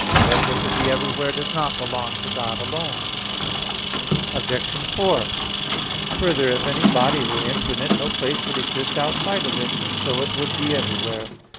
Therefore to be everywhere does not belong to God alone. Obj. 4: Further, if any body were infinite, no place would exist outside of it, and so it would be everywhere.